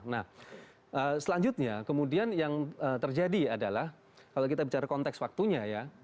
nah selanjutnya kemudian yang terjadi adalah kalau kita bicara konteks waktunya ya